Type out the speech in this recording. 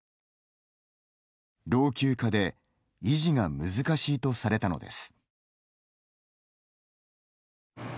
老朽化で維持が難しいとされたのです。